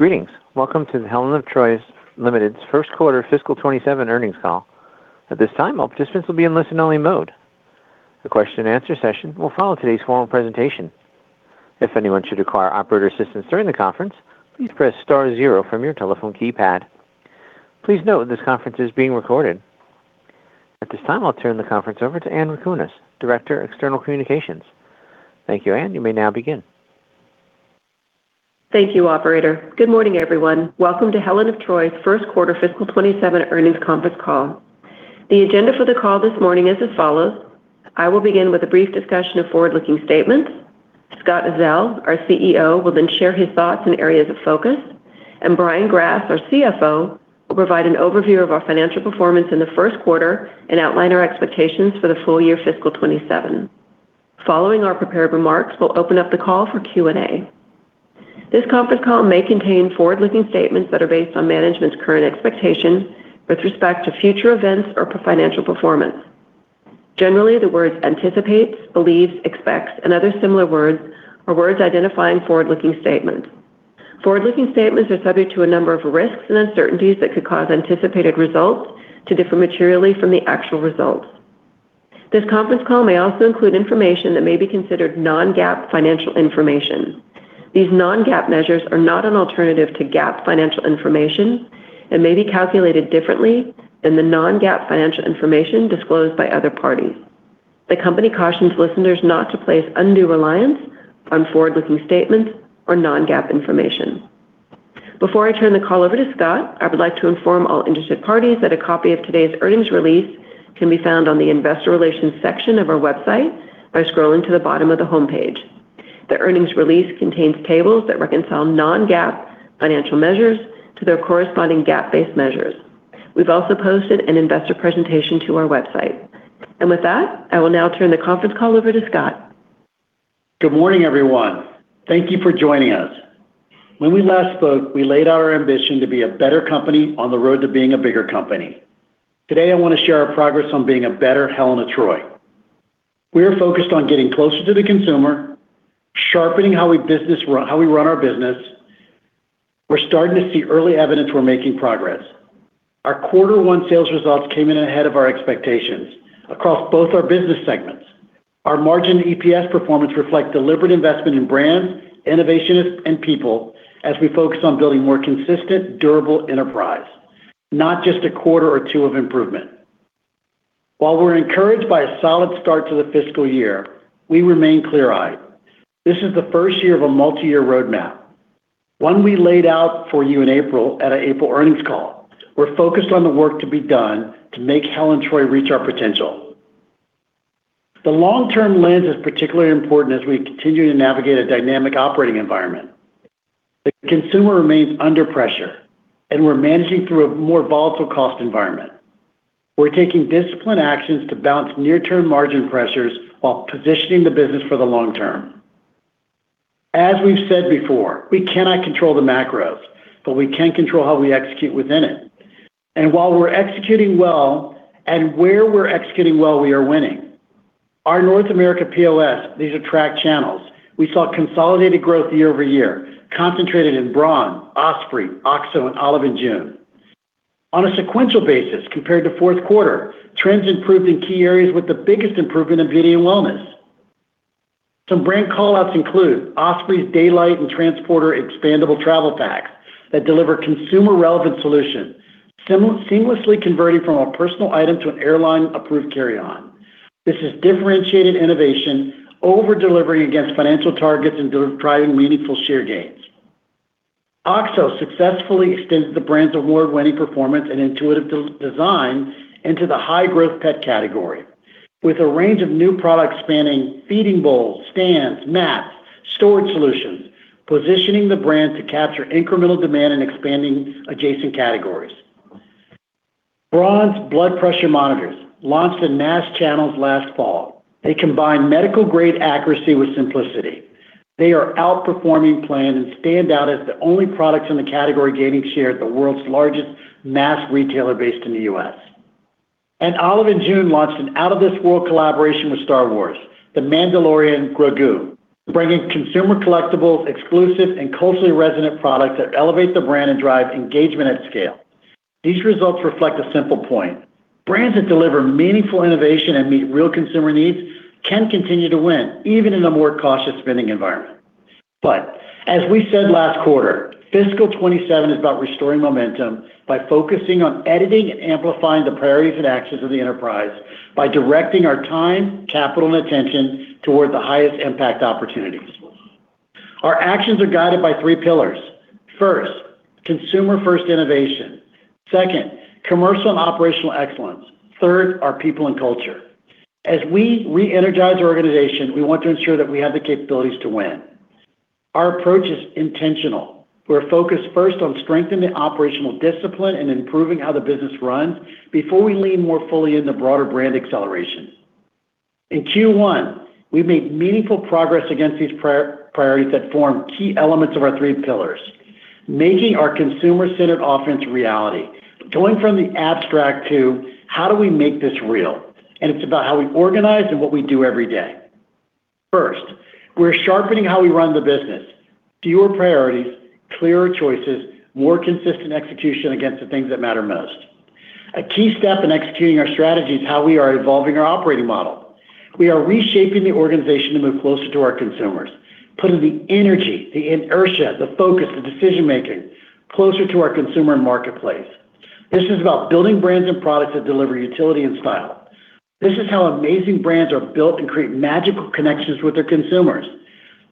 Greetings. Welcome to the Helen of Troy Limited's first quarter fiscal 2027 earnings call. At this time, all participants will be in listen-only mode. The question and answer session will follow today's formal presentation. If anyone should require operator assistance during the conference, please press star zero from your telephone keypad. Please note this conference is being recorded. At this time, I'll turn the conference over to Anne Rakunas, Director, External Communications. Thank you, Anne. You may now begin. Thank you, operator. Good morning, everyone. Welcome to Helen of Troy's first quarter fiscal 2027 earnings conference call. The agenda for the call this morning is as follows: I will begin with a brief discussion of forward-looking statements. Scott Uzzell, our CEO, will then share his thoughts and areas of focus. Brian Grass, our CFO, will provide an overview of our financial performance in the first quarter and outline our expectations for the full year fiscal 2027. Following our prepared remarks, we'll open up the call for Q&A. This conference call may contain forward-looking statements that are based on management's current expectation with respect to future events or financial performance. Generally, the words "anticipates," "believes," "expects," and other similar words are words identifying forward-looking statements. Forward-looking statements are subject to a number of risks and uncertainties that could cause anticipated results to differ materially from the actual results. This conference call may also include information that may be considered non-GAAP financial information. These non-GAAP measures are not an alternative to GAAP financial information and may be calculated differently than the non-GAAP financial information disclosed by other parties. The company cautions listeners not to place undue reliance on forward-looking statements or non-GAAP information. Before I turn the call over to Scott, I would like to inform all interested parties that a copy of today's earnings release can be found on the investor relations section of our website by scrolling to the bottom of the homepage. The earnings release contains tables that reconcile non-GAAP financial measures to their corresponding GAAP-based measures. We've also posted an investor presentation to our website. With that, I will now turn the conference call over to Scott. Good morning, everyone. Thank you for joining us. When we last spoke, we laid out our ambition to be a better company on the road to being a bigger company. Today, I want to share our progress on being a better Helen of Troy. We are focused on getting closer to the consumer, sharpening how we run our business. We're starting to see early evidence we're making progress. Our quarter one sales results came in ahead of our expectations across both our business segments. Our margin EPS performance reflect deliberate investment in brands, innovation, and people as we focus on building more consistent, durable enterprise, not just a quarter or two of improvement. While we're encouraged by a solid start to the fiscal year, we remain clear-eyed. This is the first year of a multi-year roadmap, one we laid out for you in April at our April earnings call. We're focused on the work to be done to make Helen of Troy reach our potential. The long-term lens is particularly important as we continue to navigate a dynamic operating environment. The consumer remains under pressure, and we're managing through a more volatile cost environment. We're taking disciplined actions to balance near-term margin pressures while positioning the business for the long term. As we've said before, we cannot control the macros, but we can control how we execute within it. While we're executing well and where we're executing well, we are winning. Our North America POS, these are track channels, we saw consolidated growth year-over-year, concentrated in Braun, Osprey, OXO, and Olive & June. On a sequential basis compared to fourth quarter, trends improved in key areas with the biggest improvement in beauty and wellness. Some brand call-outs include Osprey's Daylite and Transporter expandable travel packs that deliver consumer-relevant solutions, seamlessly converting from a personal item to an airline-approved carry-on. This is differentiated innovation over-delivering against financial targets and driving meaningful share gains. OXO successfully extends the brand's award-winning performance and intuitive design into the high-growth pet category with a range of new products spanning feeding bowls, stands, mats, storage solutions, positioning the brand to capture incremental demand and expanding adjacent categories. Braun's blood pressure monitors launched in mass channels last fall. They combine medical-grade accuracy with simplicity. They are outperforming plan and stand out as the only products in the category gaining share at the world's largest mass retailer based in the U.S. Olive & June launched an out-of-this-world collaboration with Star Wars, The Mandalorian and Grogu, bringing consumer collectibles exclusive and culturally resonant products that elevate the brand and drive engagement at scale. These results reflect a simple point. Brands that deliver meaningful innovation and meet real consumer needs can continue to win, even in a more cautious spending environment. As we said last quarter, fiscal 2027 is about restoring momentum by focusing on editing and amplifying the priorities and actions of the enterprise by directing our time, capital, and attention toward the highest impact opportunities. Our actions are guided by three pillars. First, consumer-first innovation. Second, commercial and operational excellence. Third, our people and culture. As we reenergize our organization, we want to ensure that we have the capabilities to win. Our approach is intentional. We're focused first on strengthening operational discipline and improving how the business runs before we lean more fully into broader brand acceleration. In Q1, we've made meaningful progress against these priorities that form key elements of our three pillars, making our consumer-centered offense reality, going from the abstract to how do we make this real. It's about how we organize and what we do every day. First, we're sharpening how we run the business. Fewer priorities, clearer choices, more consistent execution against the things that matter most. A key step in executing our strategy is how we are evolving our operating model. We are reshaping the organization to move closer to our consumers, putting the energy, the inertia, the focus, the decision-making closer to our consumer and marketplace. This is about building brands and products that deliver utility and style. This is how amazing brands are built and create magical connections with their consumers.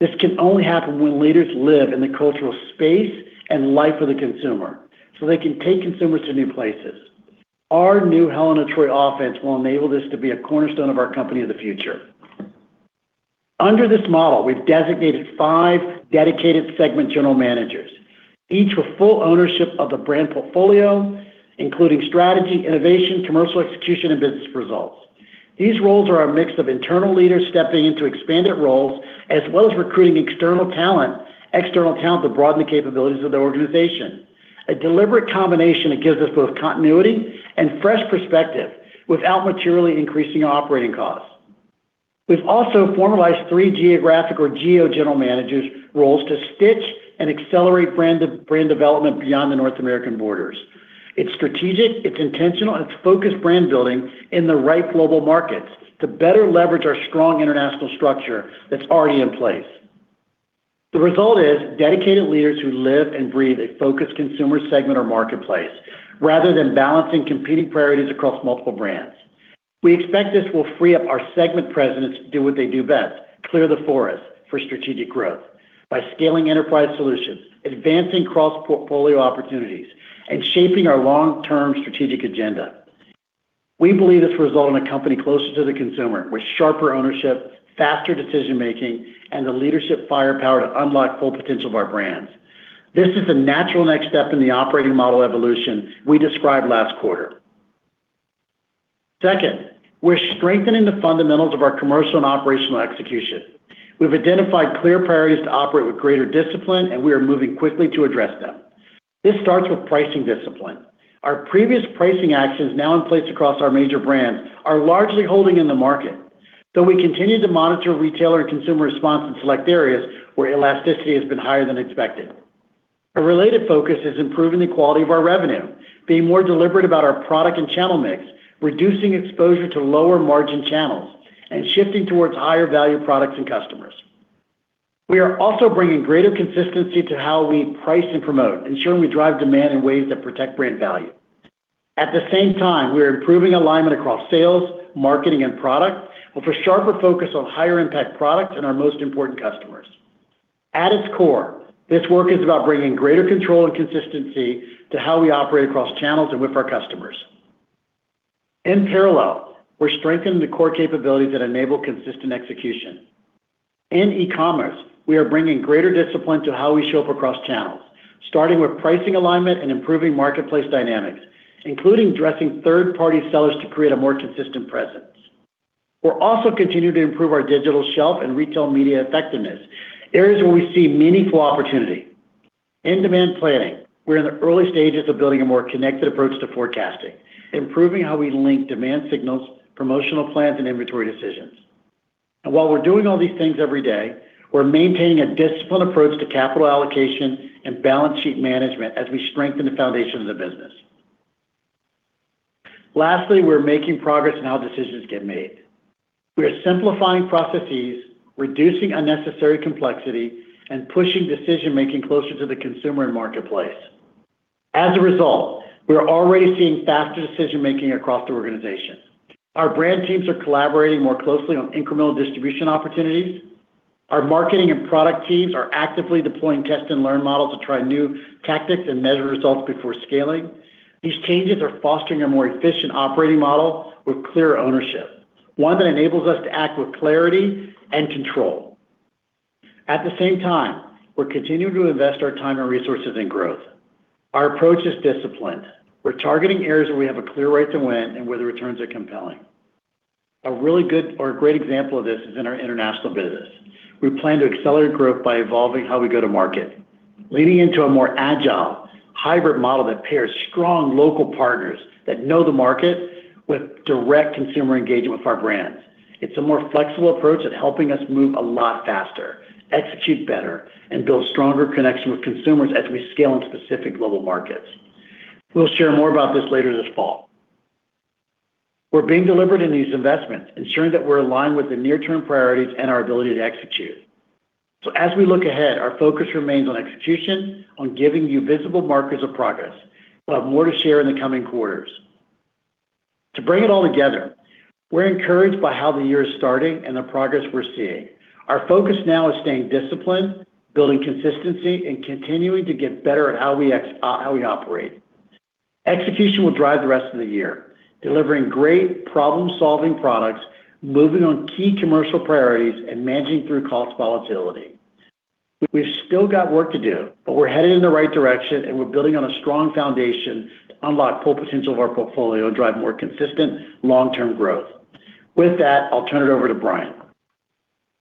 This can only happen when leaders live in the cultural space and life of the consumer, so they can take consumers to new places. Our new Helen of Troy offense will enable this to be a cornerstone of our company of the future. Under this model, we've designated five dedicated segment general managers, each with full ownership of the brand portfolio, including strategy, innovation, commercial execution, and business results. These roles are a mix of internal leaders stepping into expanded roles as well as recruiting external talent to broaden the capabilities of the organization. A deliberate combination that gives us both continuity and fresh perspective without materially increasing operating costs. We've also formalized three geographic or geo general managers roles to stitch and accelerate brand development beyond the North American borders. It's strategic, it's intentional, it's focused brand building in the right global markets to better leverage our strong international structure that's already in place. The result is dedicated leaders who live and breathe a focused consumer segment or marketplace rather than balancing competing priorities across multiple brands. We expect this will free up our segment presidents to do what they do best, clear the forest for strategic growth by scaling enterprise solutions, advancing cross-portfolio opportunities, and shaping our long-term strategic agenda. We believe this will result in a company closer to the consumer with sharper ownership, faster decision-making, and the leadership firepower to unlock full potential of our brands. This is the natural next step in the operating model evolution we described last quarter. Second, we're strengthening the fundamentals of our commercial and operational execution. We've identified clear priorities to operate with greater discipline. We are moving quickly to address them. This starts with pricing discipline. Our previous pricing actions now in place across our major brands are largely holding in the market. Though we continue to monitor retailer and consumer response in select areas where elasticity has been higher than expected. A related focus is improving the quality of our revenue, being more deliberate about our product and channel mix, reducing exposure to lower margin channels, and shifting towards higher value products and customers. We are also bringing greater consistency to how we price and promote, ensuring we drive demand in ways that protect brand value. At the same time, we are improving alignment across sales, marketing, and product with a sharper focus on higher impact products and our most important customers. At its core, this work is about bringing greater control and consistency to how we operate across channels and with our customers. In parallel, we're strengthening the core capabilities that enable consistent execution. In e-commerce, we are bringing greater discipline to how we show up across channels, starting with pricing alignment and improving marketplace dynamics, including addressing third-party sellers to create a more consistent presence. We'll also continue to improve our digital shelf and retail media effectiveness, areas where we see meaningful opportunity. In demand planning, we're in the early stages of building a more connected approach to forecasting, improving how we link demand signals, promotional plans, and inventory decisions. While we're doing all these things every day, we're maintaining a disciplined approach to capital allocation and balance sheet management as we strengthen the foundations of the business. Lastly, we're making progress in how decisions get made. We are simplifying processes, reducing unnecessary complexity, and pushing decision-making closer to the consumer and marketplace. As a result, we are already seeing faster decision-making across the organization. Our brand teams are collaborating more closely on incremental distribution opportunities. Our marketing and product teams are actively deploying test and learn models to try new tactics and measure results before scaling. These changes are fostering a more efficient operating model with clear ownership, one that enables us to act with clarity and control. At the same time, we're continuing to invest our time and resources in growth. Our approach is disciplined. We're targeting areas where we have a clear right to win and where the returns are compelling. A great example of this is in our international business. We plan to accelerate growth by evolving how we go to market, leaning into a more agile hybrid model that pairs strong local partners that know the market with direct consumer engagement with our brands. It's a more flexible approach at helping us move a lot faster, execute better, and build stronger connection with consumers as we scale into specific global markets. We'll share more about this later this fall. We're being deliberate in these investments, ensuring that we're aligned with the near-term priorities and our ability to execute. As we look ahead, our focus remains on execution, on giving you visible markers of progress. We'll have more to share in the coming quarters. To bring it all together, we're encouraged by how the year is starting and the progress we're seeing. Our focus now is staying disciplined, building consistency, and continuing to get better at how we operate. Execution will drive the rest of the year, delivering great problem-solving products, moving on key commercial priorities, and managing through cost volatility. We've still got work to do, but we're headed in the right direction, and we're building on a strong foundation to unlock full potential of our portfolio and drive more consistent long-term growth. With that, I'll turn it over to Brian.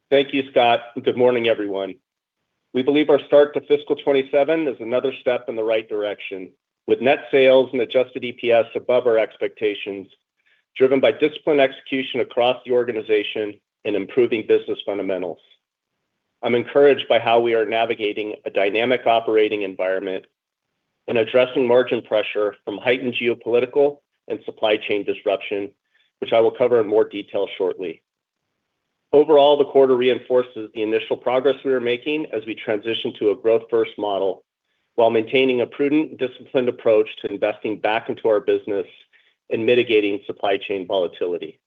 Thank you, Scott. Good morning, everyone. We believe our start to fiscal 2027 is another step in the right direction, with net sales and adjusted EPS above our expectations, driven by disciplined execution across the organization and improving business fundamentals. I'm encouraged by how we are navigating a dynamic operating environment and addressing margin pressure from heightened geopolitical and supply chain disruption, which I will cover in more detail shortly. Overall, the quarter reinforces the initial progress we are making as we transition to a growth-first model while maintaining a prudent, disciplined approach to investing back into our business and mitigating supply chain volatility.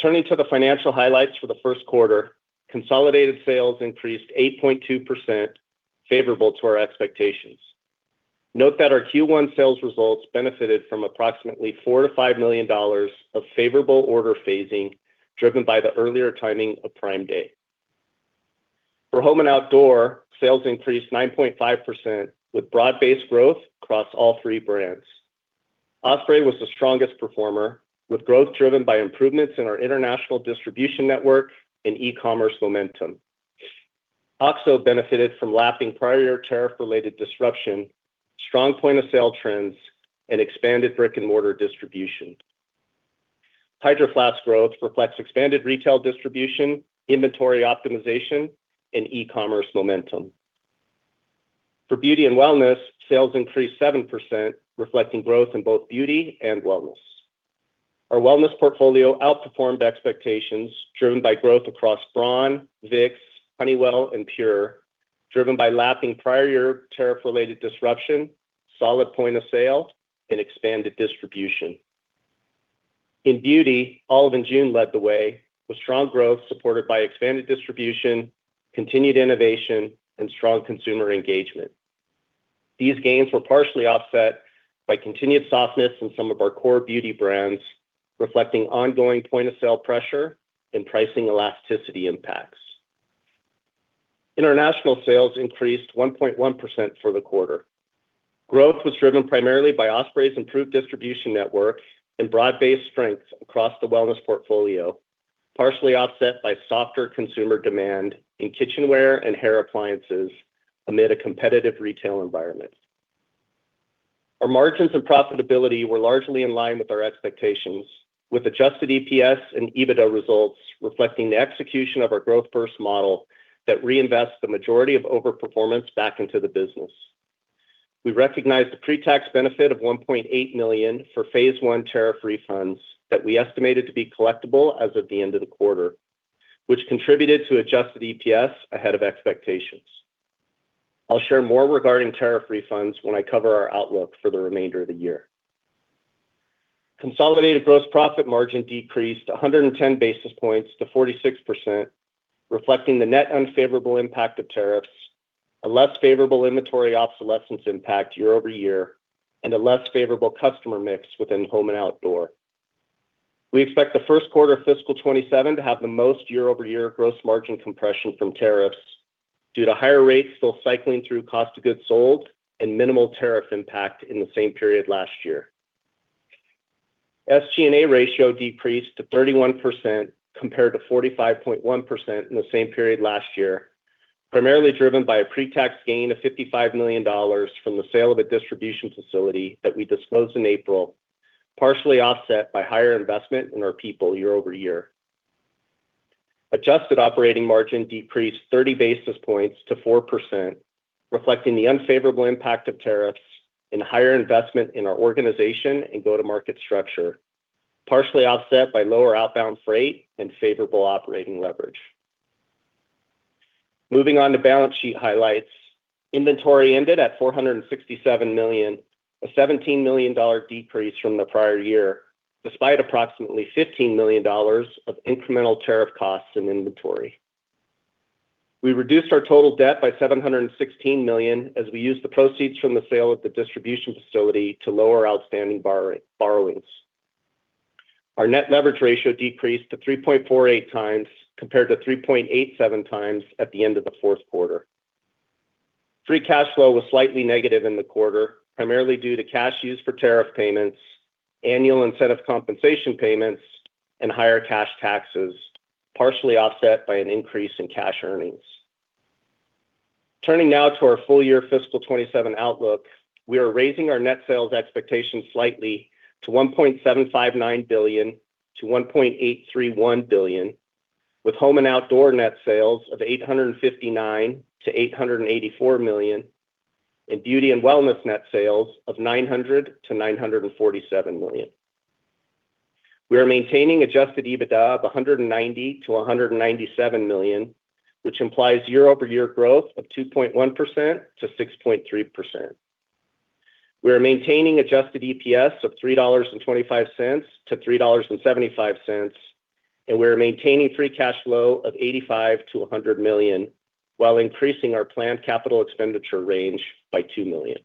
Turning to the financial highlights for the first quarter, consolidated sales increased 8.2%, favorable to our expectations. Note that our Q1 sales results benefited from approximately $4 million-$5 million of favorable order phasing, driven by the earlier timing of Prime Day. For home and outdoor, sales increased 9.5% with broad-based growth across all three brands. Osprey was the strongest performer, with growth driven by improvements in our international distribution network and e-commerce momentum. OXO benefited from lapping prior tariff-related disruption, strong point-of-sale trends, and expanded brick-and-mortar distribution. Hydro Flask growth reflects expanded retail distribution, inventory optimization, and e-commerce momentum. For beauty and wellness, sales increased 7%, reflecting growth in both beauty and wellness. Our wellness portfolio outperformed expectations driven by growth across Braun, Vicks, Honeywell, and PUR, driven by lapping prior tariff-related disruption, solid point-of-sale, and expanded distribution. In beauty, Olive & June led the way with strong growth supported by expanded distribution, continued innovation, and strong consumer engagement. These gains were partially offset by continued softness in some of our core beauty brands, reflecting ongoing point-of-sale pressure and pricing elasticity impacts. International sales increased 1.1% for the quarter. Growth was driven primarily by Osprey's improved distribution network and broad-based strengths across the wellness portfolio, partially offset by softer consumer demand in kitchenware and hair appliances amid a competitive retail environment. Our margins and profitability were largely in line with our expectations, with adjusted EPS and EBITDA results reflecting the execution of our growth-first model that reinvests the majority of over-performance back into the business. We recognized a pre-tax benefit of $1.8 million for phase one tariff refunds that we estimated to be collectible as of the end of the quarter, which contributed to adjusted EPS ahead of expectations. I'll share more regarding tariff refunds when I cover our outlook for the remainder of the year. Consolidated gross profit margin decreased 110 basis points to 46%, reflecting the net unfavorable impact of tariffs, a less favorable inventory obsolescence impact year-over-year, and a less favorable customer mix within home and outdoor. We expect the first quarter of fiscal 2027 to have the most year-over-year gross margin compression from tariffs due to higher rates still cycling through cost of goods sold and minimal tariff impact in the same period last year. SG&A ratio decreased to 31% compared to 45.1% in the same period last year, primarily driven by a pre-tax gain of $55 million from the sale of a distribution facility that we disclosed in April, partially offset by higher investment in our people year-over-year. Adjusted operating margin decreased 30 basis points to 4%, reflecting the unfavorable impact of tariffs and higher investment in our organization and go-to-market structure, partially offset by lower outbound freight and favorable operating leverage. Moving on to balance sheet highlights. Inventory ended at $467 million, a $17 million decrease from the prior year, despite approximately $15 million of incremental tariff costs in inventory. We reduced our total debt by $716 million as we used the proceeds from the sale of the distribution facility to lower outstanding borrowings. Our net leverage ratio decreased to 3.48x, compared to 3.87x at the end of the fourth quarter. Free cash flow was slightly negative in the quarter, primarily due to cash used for tariff payments, annual incentive compensation payments, and higher cash taxes, partially offset by an increase in cash earnings. Turning now to our full-year fiscal 2027 outlook. We are raising our net sales expectations slightly to $1.759 billion-$1.831 billion, with home and outdoor net sales of $859 million-$884 million, and beauty and wellness net sales of $900 million-$947 million. We are maintaining adjusted EBITDA of $190 million-$197 million, which implies year-over-year growth of 2.1%-6.3%. We are maintaining adjusted EPS of $3.25-$3.75, and we are maintaining free cash flow of $85 million-$100 million while increasing our planned capital expenditure range by $2 million.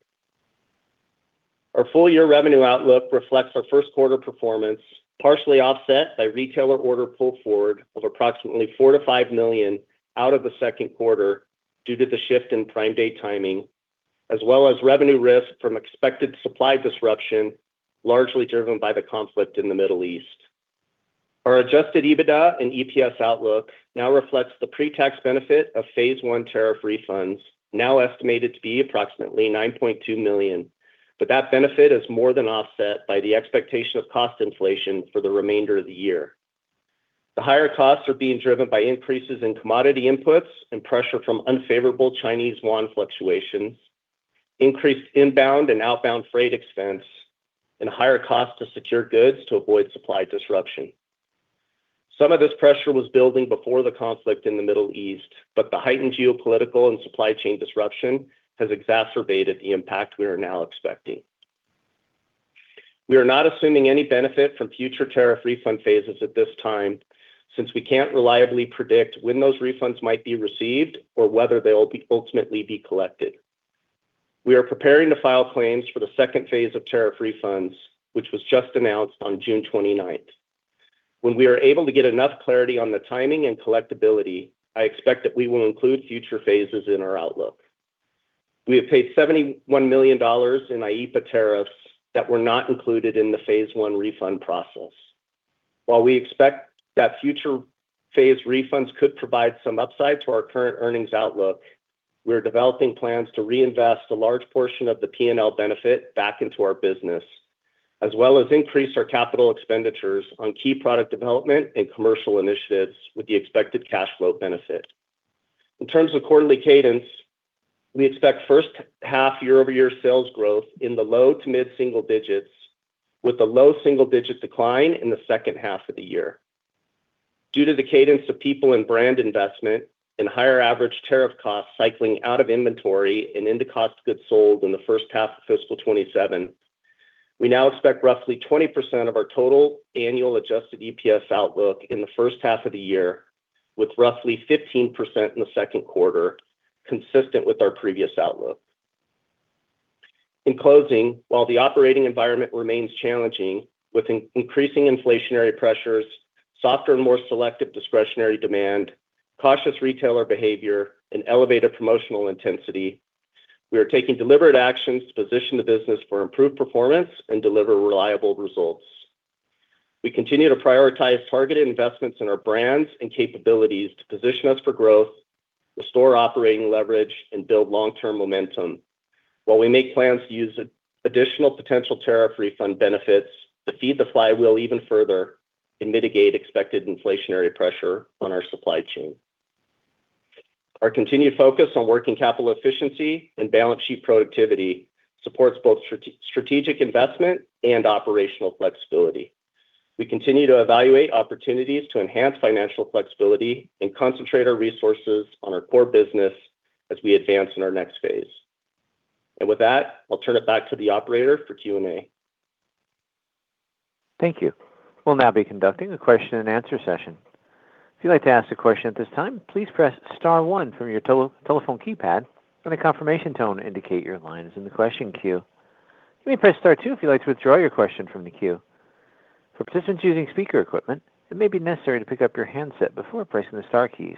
Our full-year revenue outlook reflects our first quarter performance, partially offset by retailer order pull forward of approximately $4 million-$5 million out of the second quarter due to the shift in Prime Day timing, as well as revenue risk from expected supply disruption, largely driven by the conflict in the Middle East. Our adjusted EBITDA and EPS outlook now reflects the pre-tax benefit of phase I tariff refunds, now estimated to be approximately $9.2 million. That benefit is more than offset by the expectation of cost inflation for the remainder of the year. The higher costs are being driven by increases in commodity inputs and pressure from unfavorable Chinese yuan fluctuations, increased inbound and outbound freight expense, and higher cost to secure goods to avoid supply disruption. Some of this pressure was building before the conflict in the Middle East, but the heightened geopolitical and supply chain disruption has exacerbated the impact we are now expecting. We are not assuming any benefit from future tariff refund phases at this time, since we can't reliably predict when those refunds might be received or whether they'll ultimately be collected. We are preparing to file claims for second phase of tariff refunds, which was just announced on June 29th. When we are able to get enough clarity on the timing and collectability, I expect that we will include future phases in our outlook. We have paid $71 million in IEEPA tariffs that were not included in the phase I refund process. While we expect that future phase refunds could provide some upside to our current earnings outlook, we are developing plans to reinvest a large portion of the P&L benefit back into our business, as well as increase our capital expenditures on key product development and commercial initiatives with the expected cash flow benefit. In terms of quarterly cadence, we expect first half year-over-year sales growth in the low to mid single digits, with a low single-digit decline in the second half of the year. Due to the cadence of people and brand investment and higher average tariff costs cycling out of inventory and into cost of goods sold in the first half of fiscal 2027, we now expect roughly 20% of our total annual adjusted EPS outlook in the first half of the year, with roughly 15% in the second quarter, consistent with our previous outlook. In closing, while the operating environment remains challenging, with increasing inflationary pressures, softer and more selective discretionary demand, cautious retailer behavior, and elevated promotional intensity, we are taking deliberate actions to position the business for improved performance and deliver reliable results. We continue to prioritize targeted investments in our brands and capabilities to position us for growth, restore operating leverage, and build long-term momentum, while we make plans to use additional potential tariff refund benefits to feed the flywheel even further and mitigate expected inflationary pressure on our supply chain. Our continued focus on working capital efficiency and balance sheet productivity supports both strategic investment and operational flexibility. We continue to evaluate opportunities to enhance financial flexibility and concentrate our resources on our core business as we advance in our next phase. With that, I'll turn it back to the operator for Q&A. Thank you. We'll now be conducting a question and answer session. If you'd like to ask a question at this time, please press star one from your telephone keypad, and a confirmation tone indicate your line is in the question queue. You may press star two if you'd like to withdraw your question from the queue. For participants using speaker equipment, it may be necessary to pick up your handset before pressing the star keys.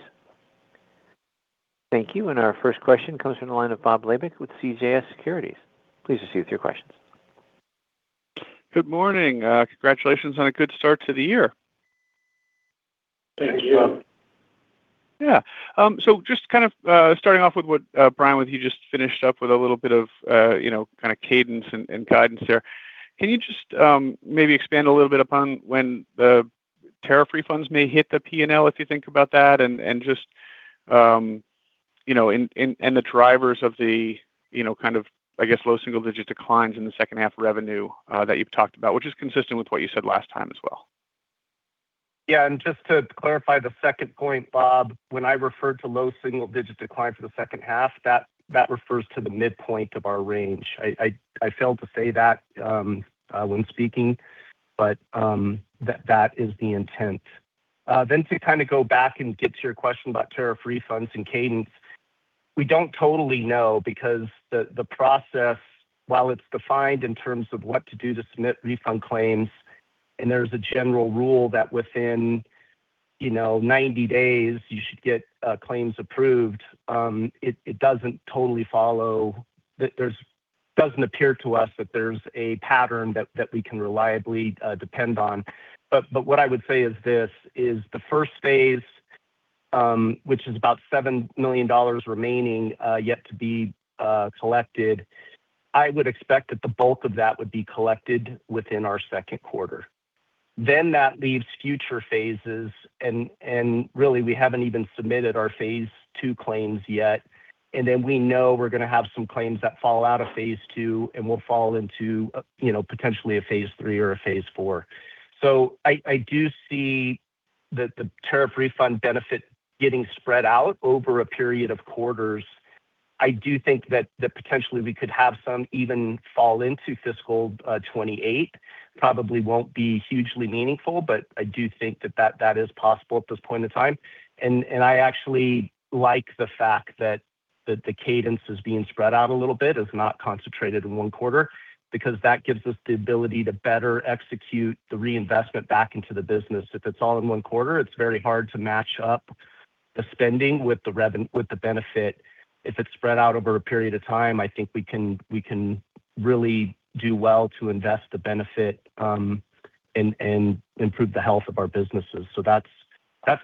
Thank you. Our first question comes from the line of Bob Labick with CJS Securities. Please proceed with your questions. Good morning. Congratulations on a good start to the year. Thank you. Just kind of starting off with what Brian, you just finished up with a little bit of kind of cadence and guidance there. Can you just maybe expand a little bit upon when the tariff refunds may hit the P&L, if you think about that? The drivers of the kind of, I guess, low single-digit declines in the second half revenue that you've talked about, which is consistent with what you said last time as well. Just to clarify the second point, Bob, when I referred to low single-digit decline for the second half, that refers to the midpoint of our range. I failed to say that when speaking, but that is the intent. To kind of go back and get to your question about tariff refunds and cadence, we don't totally know because the process, while it's defined in terms of what to do to submit refund claims, and there's a general rule that within 90 days you should get claims approved, it doesn't appear to us that there's a pattern that we can reliably depend on. What I would say is this, is the first phase, which is about $7 million remaining, yet to be collected, I would expect that the bulk of that would be collected within our second quarter. That leaves future phases, and really, we haven't even submitted our phase II claims yet. We know we're going to have some claims that fall out of phase II and will fall into potentially a phase III or a phase IV. I do see the tariff refund benefit getting spread out over a period of quarters. I do think that potentially we could have some even fall into fiscal 2028. Probably won't be hugely meaningful, but I do think that is possible at this point in time. I actually like the fact that the cadence is being spread out a little bit, is not concentrated in one quarter, because that gives us the ability to better execute the reinvestment back into the business. If it's all in one quarter, it's very hard to match up the spending with the benefit. If it's spread out over a period of time, I think we can really do well to invest the benefit and improve the health of our businesses. That's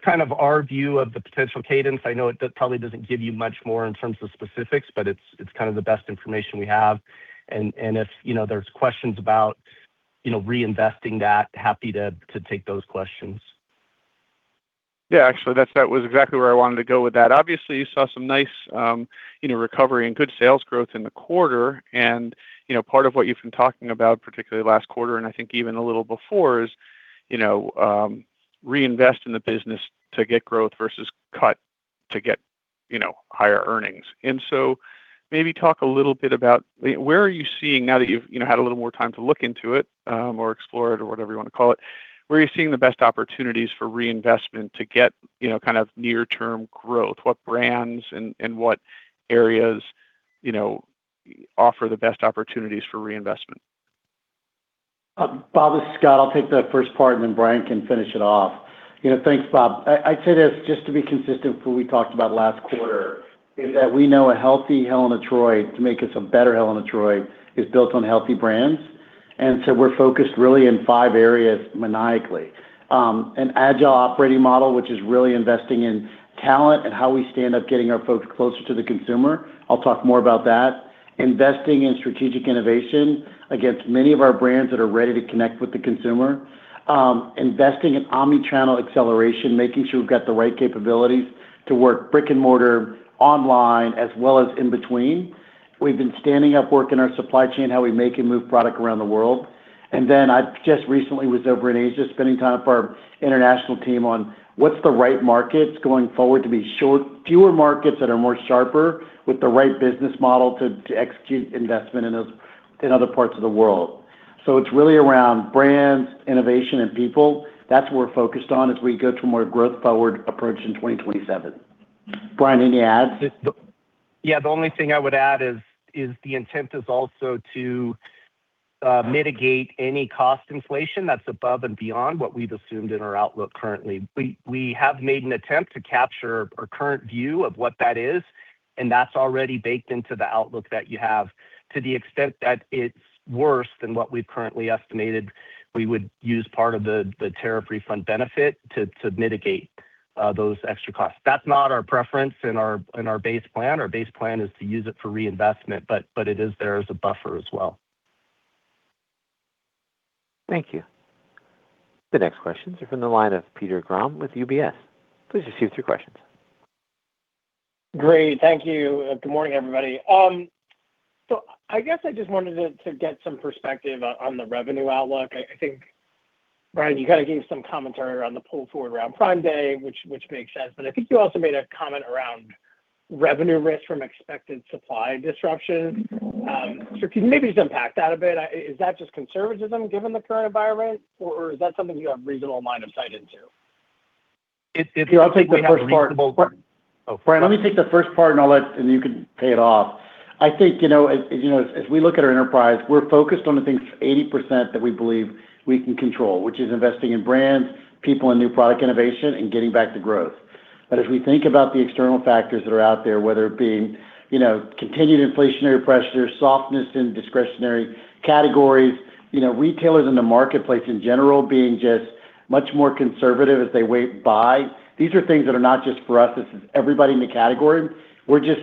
our view of the potential cadence. I know that probably doesn't give you much more in terms of specifics, but it's the best information we have. If there's questions about reinvesting that, happy to take those questions. Yeah, actually, that was exactly where I wanted to go with that. Obviously, you saw some nice recovery and good sales growth in the quarter. Part of what you've been talking about, particularly last quarter and I think even a little before, is reinvest in the business to get growth versus cut to get higher earnings. Maybe talk a little bit about where are you seeing now that you've had a little more time to look into it, or explore it or whatever you want to call it, where are you seeing the best opportunities for reinvestment to get near term growth? What brands and what areas offer the best opportunities for reinvestment? Bob, this is Scott. I'll take the first part and then Brian can finish it off. Thanks, Bob. I'd say this just to be consistent with what we talked about last quarter, is that we know a healthy Helen of Troy to make us a better Helen of Troy is built on healthy brands. We're focused really in five areas maniacally. An agile operating model, which is really investing in talent and how we stand up getting our folks closer to the consumer. I'll talk more about that. Investing in strategic innovation against many of our brands that are ready to connect with the consumer. Investing in omni-channel acceleration, making sure we've got the right capabilities to work brick and mortar online as well as in between. We've been standing up work in our supply chain, how we make and move product around the world. I just recently was over in Asia spending time with our international team on what's the right markets going forward to be fewer markets that are more sharper with the right business model to execute investment in other parts of the world. It's really around brands, innovation, and people. That's what we're focused on as we go to more growth forward approach in 2027. Brian, any adds? Yeah, the only thing I would add is the intent is also to mitigate any cost inflation that's above and beyond what we've assumed in our outlook currently. We have made an attempt to capture our current view of what that is, and that's already baked into the outlook that you have. To the extent that it's worse than what we've currently estimated, we would use part of the tariff refund benefit to mitigate those extra costs. That's not our preference in our base plan. Our base plan is to use it for reinvestment, but it is there as a buffer as well. Thank you. The next questions are from the line of Peter Grom with UBS. Please proceed with your questions. Great. Thank you. Good morning, everybody. I guess I just wanted to get some perspective on the revenue outlook. I think, Brian, you gave some commentary around the pull forward around Prime Day, which makes sense. I think you also made a comment around revenue risk from expected supply disruption. Can maybe just unpack that a bit. Is that just conservatism given the current environment? Or is that something you have reasonable line of sight into? It's- Here, I'll take the first part. We have reasonable, oh. Brian. Let me take the first part, and you can pay it off. I think, as we look at our enterprise, we're focused on the things 80% that we believe we can control, which is investing in brands, people, and new product innovation, and getting back to growth. As we think about the external factors that are out there, whether it being continued inflationary pressure, softness in discretionary categories, retailers in the marketplace in general being just much more conservative as they wait by. These are things that are not just for us. This is everybody in the category. We're just,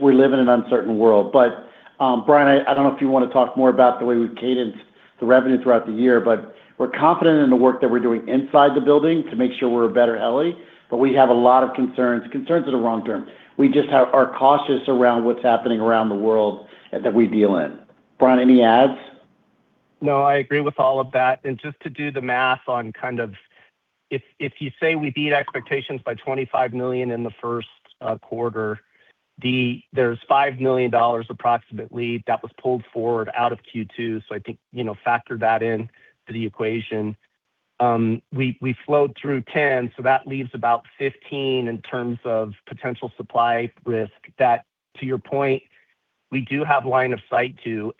we live in an uncertain world. Brian, I don't know if you want to talk more about the way we've cadenced the revenue throughout the year, but we're confident in the work that we're doing inside the building to make sure we're a better [LE]. We have a lot of concerns that are long-term. We just are cautious around what's happening around the world that we deal in. Brian, any adds? No, I agree with all of that. Just to do the math on kind of if you say we beat expectations by $25 million in the first quarter, there's $5 million approximately that was pulled forward out of Q2. I think, factor that into the equation. We flowed through $10 million, that leaves about $15 million in terms of potential supply risk that, to your point, we do have line of sight to.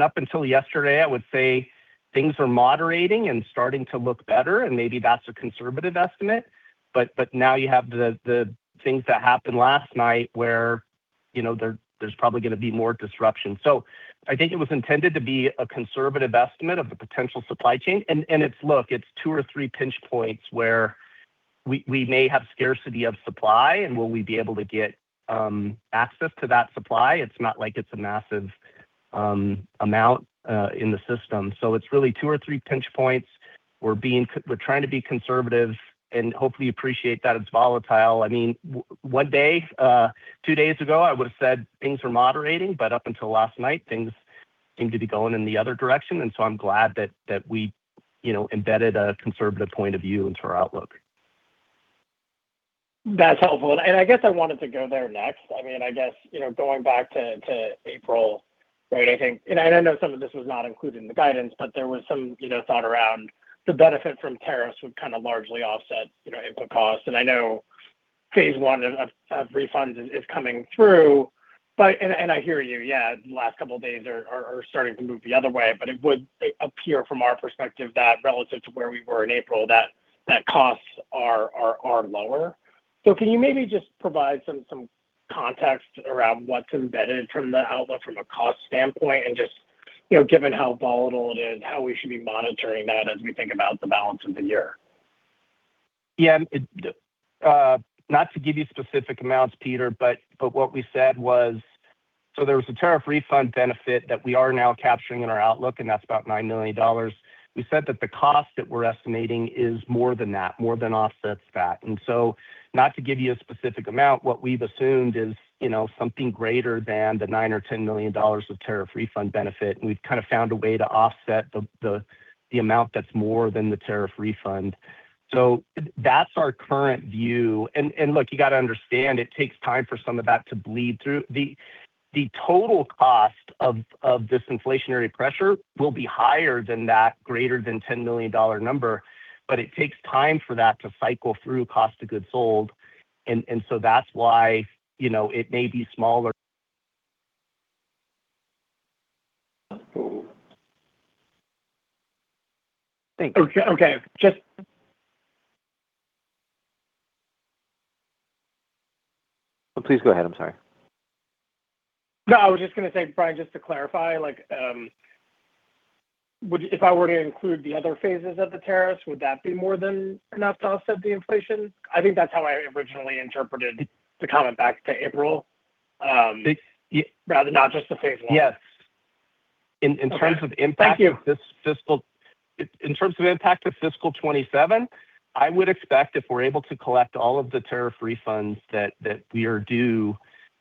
Up until yesterday, I would say things were moderating and starting to look better, and maybe that's a conservative estimate. Now you have the things that happened last night where there's probably going to be more disruption. I think it was intended to be a conservative estimate of the potential supply chain. Look, it's two or three pinch points where we may have scarcity of supply, and will we be able to get access to that supply? It's not like it's a massive amount in the system. It's really two or three pinch points. We're trying to be conservative and hopefully appreciate that it's volatile. One day, two days ago, I would've said things were moderating, up until last night, things seem to be going in the other direction. I'm glad that we embedded a conservative point of view into our outlook. That's helpful. I guess I wanted to go there next. Going back to April, right? I know some of this was not included in the guidance, but there was some thought around the benefit from tariffs would kind of largely offset input costs. I know phase one of refund is coming through. I hear you. Yeah. The last couple of days are starting to move the other way. It would appear from our perspective that relative to where we were in April, that costs are lower. Can you maybe just provide some context around what's embedded from the outlook from a cost standpoint and just, given how volatile it is, how we should be monitoring that as we think about the balance of the year? Yeah. Not to give you specific amounts, Peter, but what we said was, there was a tariff refund benefit that we are now capturing in our outlook, and that's about $9 million. We said that the cost that we're estimating is more than that, more than offsets that. Not to give you a specific amount, what we've assumed is something greater than the $9 million or $10 million of tariff refund benefit, and we've kind of found a way to offset the amount that's more than the tariff refund. That's our current view. Look, you got to understand, it takes time for some of that to bleed through. The total cost of this inflationary pressure will be higher than that, greater than $10 million number. It takes time for that to cycle through cost of goods sold. That's why it may be smaller. Thank you. Okay. Please go ahead. I'm sorry. No, I was just going to say, Brian, just to clarify, if I were to include the other phases of the tariffs, would that be more than enough to offset the inflation? I think that's how I originally interpreted the comment back to April. The- Rather not just the phase one. Yes. Okay. In terms of impact. Thank you In terms of impact of fiscal 2027, I would expect if we're able to collect all of the tariff refunds that we are due,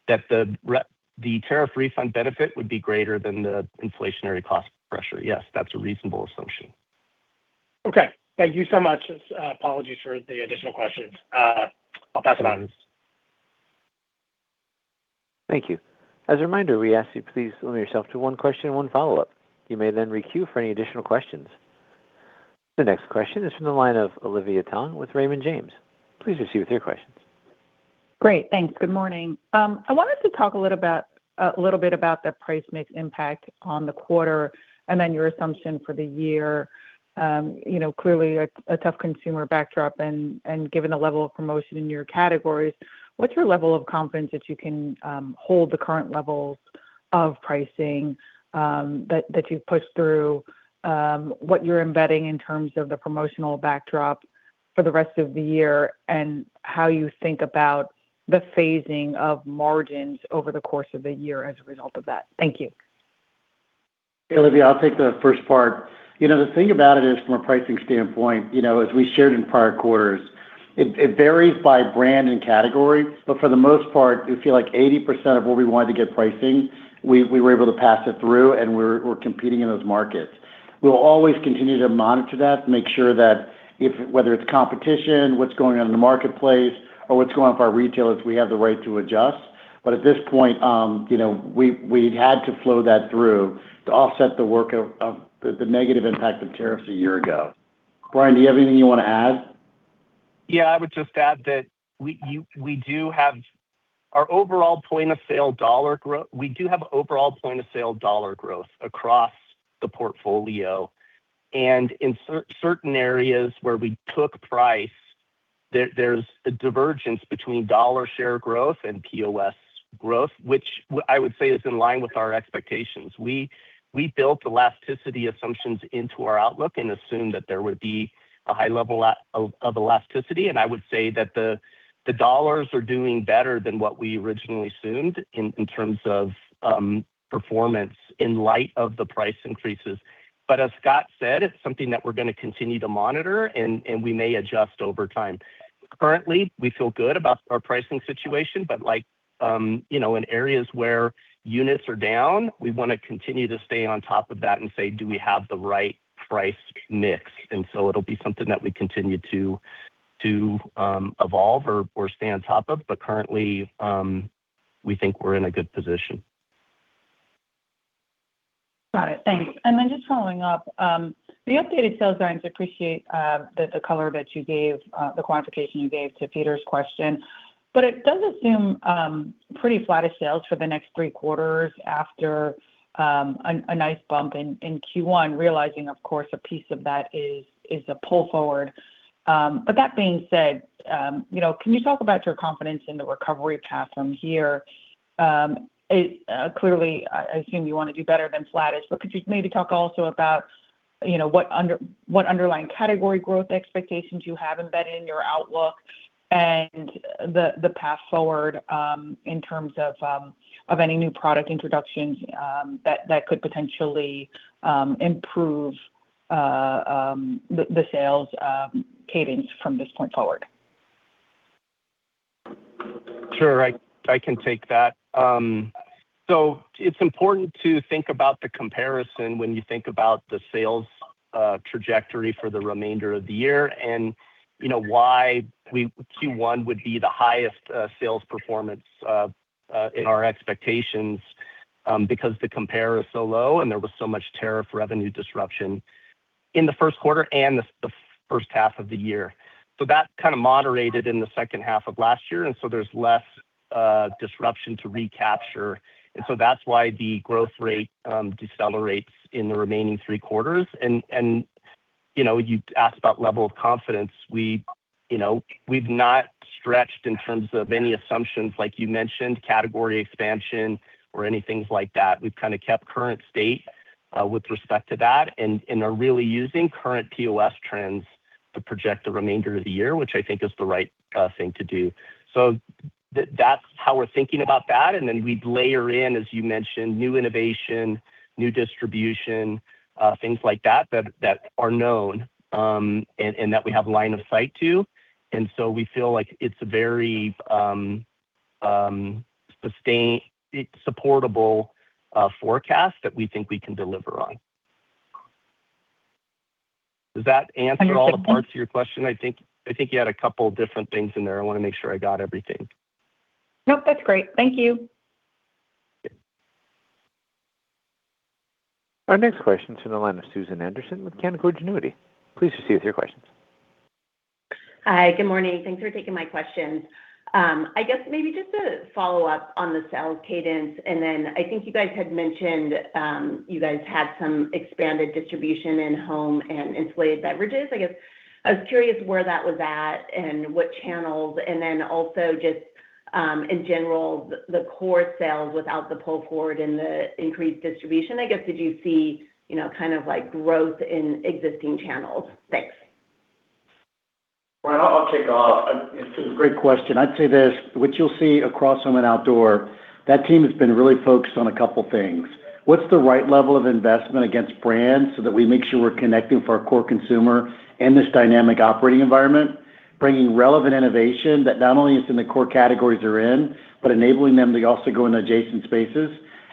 that the tariff refund benefit would be greater than the inflationary cost pressure. Yes, that's a reasonable assumption. Okay. Thank you so much. Apologies for the additional questions. I'll pass it on. Thank you. As a reminder, we ask you to please limit yourself to one question and one follow-up. You may then re-queue for any additional questions. The next question is from the line of Olivia Tong with Raymond James. Please proceed with your questions. Great. Thanks. Good morning. I wanted to talk a little bit about the price mix impact on the quarter and then your assumption for the year. Clearly a tough consumer backdrop and given the level of promotion in your categories, what's your level of confidence that you can hold the current levels of pricing that you've pushed through, what you're embedding in terms of the promotional backdrop for the rest of the year, and how you think about the phasing of margins over the course of the year as a result of that? Thank you. Olivia, I'll take the first part. The thing about it is from a pricing standpoint, as we shared in prior quarters, it varies by brand and category. For the most part, we feel like 80% of where we wanted to get pricing, we were able to pass it through, and we're competing in those markets. We'll always continue to monitor that to make sure that whether it's competition, what's going on in the marketplace or what's going on with our retailers, we have the right to adjust. At this point, we've had to flow that through to offset the work of the negative impact of tariffs a year ago. Brian, do you have anything you want to add? Yeah, I would just add that we do have our overall point of sale dollar growth. We do have overall point of sale dollar growth across the portfolio. In certain areas where we took price, there's a divergence between dollar share growth and POS growth, which I would say is in line with our expectations. We built elasticity assumptions into our outlook and assumed that there would be a high level of elasticity, and I would say that the dollars are doing better than what we originally assumed in terms of performance in light of the price increases. As Scott said, it's something that we're going to continue to monitor, and we may adjust over time. Currently, we feel good about our pricing situation, but in areas where units are down, we want to continue to stay on top of that and say, "Do we have the right price mix?" It'll be something that we continue to evolve or stay on top of. Currently, we think we're in a good position. Got it. Thanks. Then just following up. The updated sales guidance, appreciate the color that you gave, the quantification you gave to Peter's question. It does assume pretty flattest sales for the next three quarters after a nice bump in Q1, realizing, of course, a piece of that is a pull forward. That being said, can you talk about your confidence in the recovery path from here? Clearly, I assume you want to do better than flattish, but could you maybe talk also about what underlying category growth expectations you have embedded in your outlook and the path forward in terms of any new product introductions that could potentially improve the sales cadence from this point forward? Sure. I can take that. It's important to think about the comparison when you think about the sales trajectory for the remainder of the year and why Q1 would be the highest sales performance in our expectations. Because the compare is so low and there was so much tariff revenue disruption in the first quarter and the first half of the year. That kind of moderated in the second half of last year, there's less disruption to recapture. That's why the growth rate decelerates in the remaining three quarters. You asked about level of confidence. We've not stretched in terms of any assumptions, like you mentioned, category expansion or any things like that. We've kind of kept current state with respect to that and are really using current POS trends to project the remainder of the year, which I think is the right thing to do. That's how we're thinking about that. Then we'd layer in, as you mentioned, new innovation, new distribution, things like that are known and that we have line of sight to. We feel like it's a very supportable forecast that we think we can deliver on. Does that answer all the parts of your question? I think you had a couple different things in there. I want to make sure I got everything. Nope, that's great. Thank you. Okay. Our next question is in the line of Susan Anderson with Canaccord Genuity. Please proceed with your questions. Hi, good morning. Thanks for taking my questions. I guess maybe just to follow up on the sales cadence. I think you guys had mentioned you guys had some expanded distribution in home and insulated beverages. I guess I was curious where that was at and what channels. Also just in general, the core sales without the pull forward and the increased distribution, I guess, did you see kind of growth in existing channels? Thanks. Brian, I'll kick off. It's a great question. I'd say this, what you'll see across Home and Outdoor, that team has been really focused on a couple of things. What's the right level of investment against brands so that we make sure we're connecting for our core consumer in this dynamic operating environment? Bringing relevant innovation that not only is in the core categories they're in, but enabling them to also go into adjacent spaces.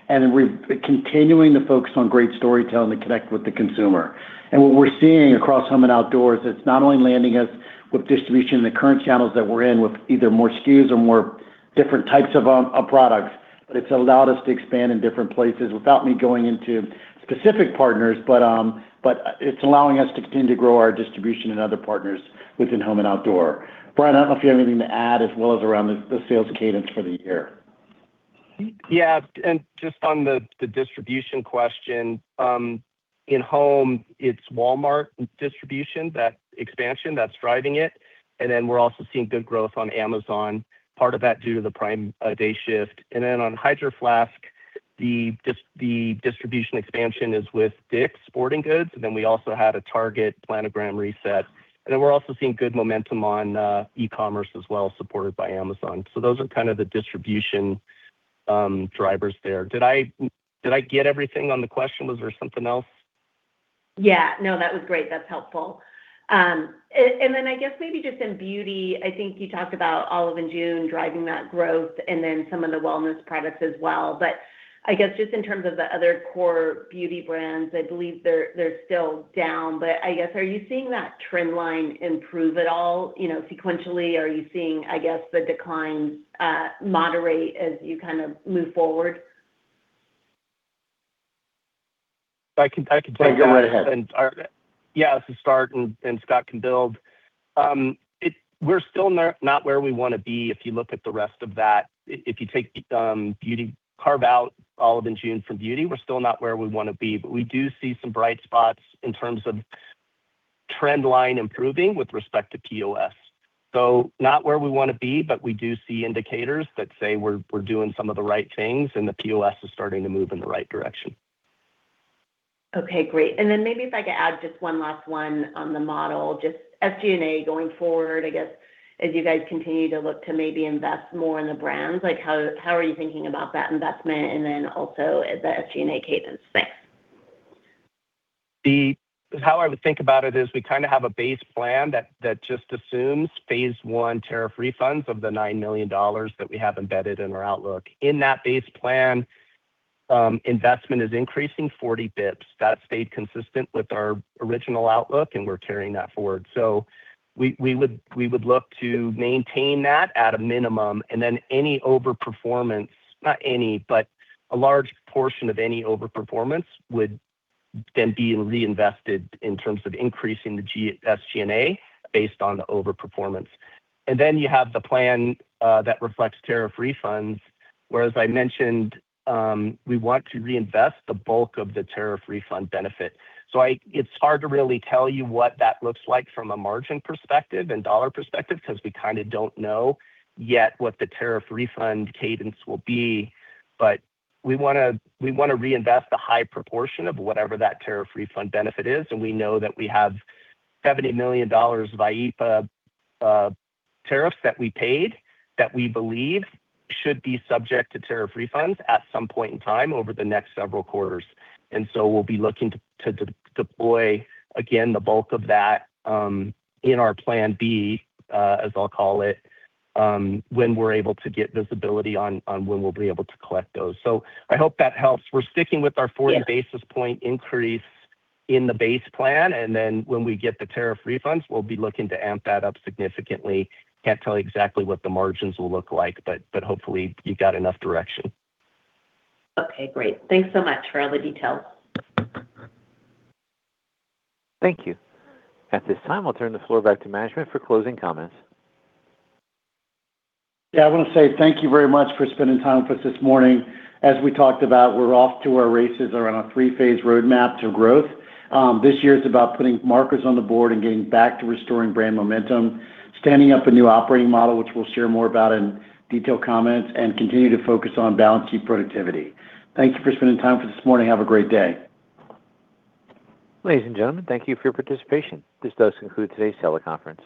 Continuing to focus on great storytelling to connect with the consumer. What we're seeing across Home and Outdoor is it's not only landing us with distribution in the current channels that we're in with either more SKUs or more different types of products, but it's allowed us to expand in different places without me going into specific partners, but it's allowing us to continue to grow our distribution and other partners within Home and Outdoor. Brian, I don't know if you have anything to add as well as around the sales cadence for the year. Yeah. Just on the distribution question. In Home, it's Walmart distribution, that expansion, that's driving it. We're also seeing good growth on Amazon, part of that due to the Prime Day shift. On Hydro Flask, the distribution expansion is with DICK'S Sporting Goods. We also had a Target planogram reset. We're also seeing good momentum on e-commerce as well, supported by Amazon. Those are kind of the distribution drivers there. Did I get everything on the question? Was there something else? Yeah. No, that was great. That's helpful. I guess maybe just in beauty, I think you talked about Olive & June driving that growth and then some of the wellness products as well, I guess just in terms of the other core beauty brands, I believe they're still down, I guess, are you seeing that trend line improve at all sequentially? Are you seeing, I guess, the decline moderate as you kind of move forward? If I can take that. Go right ahead. I'll start and Scott can build. We're still not where we want to be if you look at the rest of that. If you carve out Olive & June from beauty, we're still not where we want to be, but we do see some bright spots in terms of trend line improving with respect to POS. Not where we want to be, but we do see indicators that say we're doing some of the right things and the POS is starting to move in the right direction. Okay, great. Maybe if I could add just one last one on the model, just SG&A going forward, I guess, as you guys continue to look to maybe invest more in the brands, how are you thinking about that investment and also the SG&A cadence? Thanks. How I would think about it is we kind of have a base plan that just assumes phase one tariff refunds of the $9 million that we have embedded in our outlook. In that base plan, investment is increasing 40 basis points. That stayed consistent with our original outlook, and we're carrying that forward. We would look to maintain that at a minimum, any overperformance, not any, but a large portion of any overperformance would then be reinvested in terms of increasing the SG&A based on the overperformance. You have the plan that reflects tariff refunds, where as I mentioned, we want to reinvest the bulk of the tariff refund benefit. It's hard to really tell you what that looks like from a margin perspective and dollar perspective because we kind of don't know yet what the tariff refund cadence will be. We want to reinvest a high proportion of whatever that tariff refund benefit is, and we know that we have $70 million of IEEPA tariffs that we paid that we believe should be subject to tariff refunds at some point in time over the next several quarters. We'll be looking to deploy, again, the bulk of that in our plan B, as I'll call it, when we're able to get visibility on when we'll be able to collect those. I hope that helps. We're sticking with our 40 basis point increase in the base plan, when we get the tariff refunds, we'll be looking to amp that up significantly. Can't tell you exactly what the margins will look like, but hopefully you got enough direction. Okay, great. Thanks so much for all the details. Thank you. At this time, I'll turn the floor back to management for closing comments. Yeah, I want to say thank you very much for spending time with us this morning. As we talked about, we're off to our races around our three-phase roadmap to growth. This year is about putting markers on the board and getting back to restoring brand momentum, standing up a new operating model, which we'll share more about in detailed comments, and continue to focus on balance sheet productivity. Thank you for spending time with us this morning. Have a great day. Ladies and gentlemen, thank you for your participation. This does conclude today's teleconference.